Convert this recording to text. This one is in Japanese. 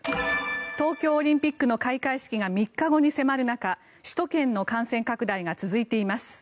東京オリンピックの開会式が３日後に迫る中首都圏の感染拡大が続いています。